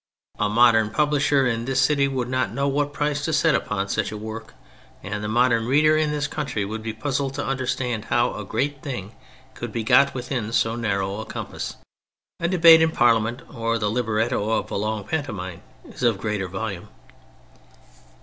A modern publisher in this city would not know what price to set upon such a work, and the modern reader in this country would be puzzled to understand how a great thing could be got within so narrow a compass. A debate in Parliament or the libretto of a long pantomime is of greater volume.